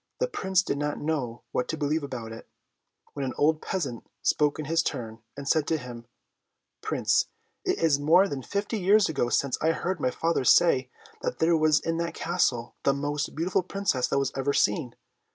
The Prince did not know what to believe about it, when an old peasant spoke in his turn, and said to him, "Prince, it is more than fifty years ago since I heard my father say that there was in that Castle the most beautiful Princess that was ever seen.